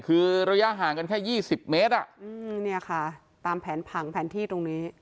คือระยะห่างกันแค่๒๐เมตรเนี่ยค่ะตามแผนผังแผนที่ตรงนี้